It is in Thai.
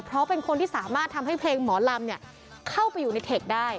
เพราะเป็นคนที่สามารถทำให้เพลงหมอลำเข้าไปอยู่ในเทคได้